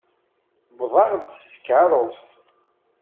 Wwḍeɣ-d s tkeṛṛust.